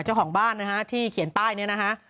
เจ้าของบ้านนะฮะที่เขียนป้ายเนี่ยนะฮะ